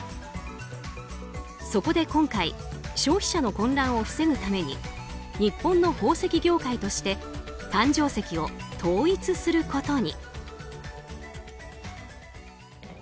そこで今回消費者の混乱を防ぐために日本の宝石業界として誕生石を統一することに。